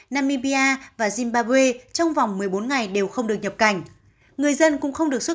namibia và zimbabwe trong vòng một mươi bốn ngày đều không được nhập cảnh người dân cũng không được xuất